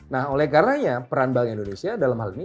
nah oleh karenanya peran bank indonesia dalam hal ini